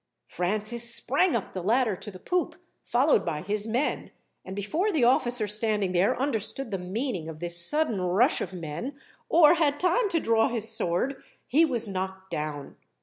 Francis sprang up the ladder to the poop, followed by his men, and before the officer standing there understood the meaning of this sudden rush of men, or had time to draw his sword, he was knocked down.